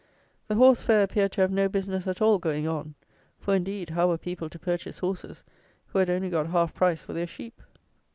The horse fair appeared to have no business at all going on; for, indeed, how were people to purchase horses, who had got only half price for their sheep?